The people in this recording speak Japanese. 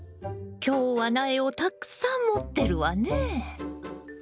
今日は苗をたくさん持ってるわねえ。